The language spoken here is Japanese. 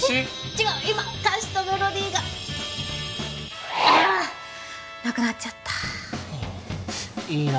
違う今歌詞とメロディーがああなくなっちゃったいいな